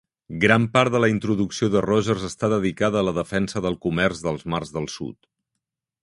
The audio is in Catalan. Gran part de la introducció de Rogers està dedicada a la defensa del comerç dels mars del sud.